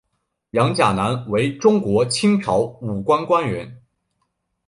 杨钾南为中国清朝武官官员。